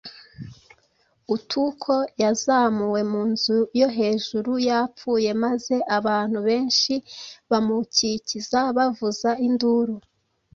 Utuko yazamuwe mu nzu yo hejuru yapfuye maze abantu benshi bamukikiza bavuza induru